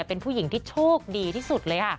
เป็นผู้หญิงที่โชคดีที่สุดเลยค่ะ